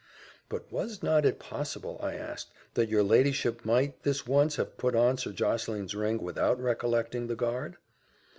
"But was not it possible," I asked, "that your ladyship might this once have put on Sir Josseline's ring without recollecting the guard?"